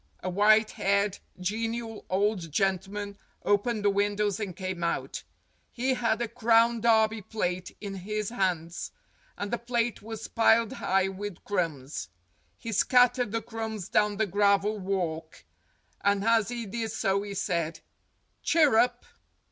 A white haired, genial old gentleman opened the windows and came out. He had a Crown Derby plate in his hands, and the plate was piled high with crumbs ; he scattered the crumbs down the gravel walk, and as 301 302 STORIES WITHOUT TEARS he did so he said, "Chirrup."